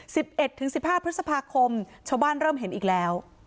เอ็ดถึงสิบห้าพฤษภาคมชาวบ้านเริ่มเห็นอีกแล้ว